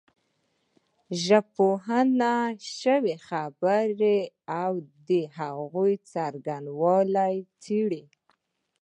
ژبپوهنه شوې خبرې او د هغوی څرنګوالی څېړي